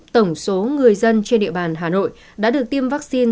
tổng số người dân trên địa bàn hà nội đã được tiêm vaccine